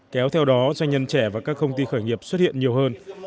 kéo theo đó doanh nhân trẻ và các công ty khởi nghiệp xuất hiện nhiều hơn